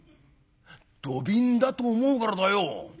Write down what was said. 「土瓶だと思うからだよ。